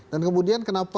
dan kemudian kenapa